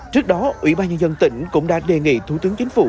trước đó ủy ban nhân dân tỉnh cũng đã đề nghị thủ tướng chính phủ